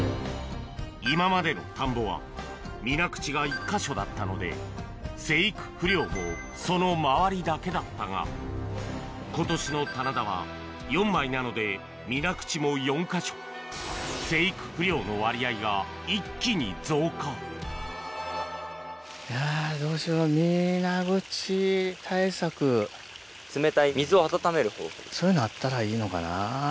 今までの田んぼは水口が１か所だったので生育不良もその周りだけだったが今年の棚田は４枚なので水口も４か所生育不良の割合が一気に増加そういうのあったらいいのかな。